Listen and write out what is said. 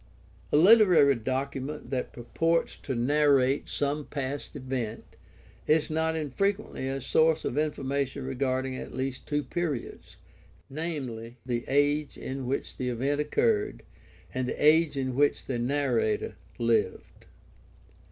A literary document that purports to narrate some past event is not infrequently a source of information regarding at least two periods, viz., the age in which the event occurred and the age in which the narrator lived.